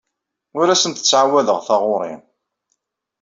Ur asent-ttɛawadeɣ taɣuri.